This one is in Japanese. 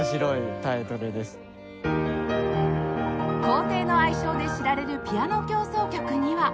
『皇帝』の愛称で知られるピアノ協奏曲には